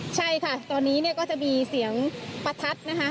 ใช่ค่ะตอนนี้เนี่ยก็จะมีเสียงประทัดนะคะ